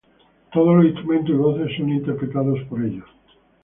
Todos los instrumentos y voces son interpretados por ellos.